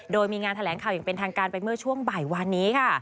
โดยมีงานแถลงข่าวอย่างเป็นทางการไปเมื่อช่วงบ่ายวานนี้ค่ะ